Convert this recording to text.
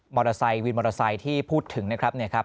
มอเตอร์ไซต์วินมอเตอร์ไซต์ที่พูดถึงนะครับ